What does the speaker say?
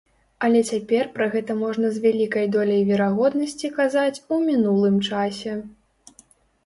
Але цяпер пра гэта можна з вялікай доляй верагоднасці казаць у мінулым часе.